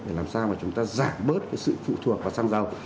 để làm sao mà chúng ta giảm bớt cái sự phụ thuộc vào xăng dầu